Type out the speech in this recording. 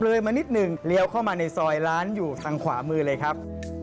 เลยมานิดหนึ่งเลี้ยวเข้ามาในซอยร้านอยู่ทางขวามือเลยครับ